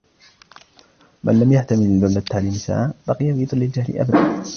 مَنْ لَمْ يَحْتَمِلْ ذُلَّ التَّعَلُّمِ سَاعَةً بَقِيَ فِي ذُلِّ الْجَهْلِ أَبَدًا